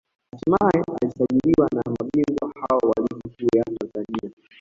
hatimaye alisajiliwa na mabingwa hao wa Ligi Kuu ya Tanzania